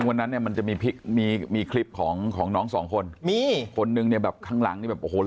วันนั้นมันจะมีคลิปของน้อง๒คนมีคนนึงเนี่ยแบบข้างหลัง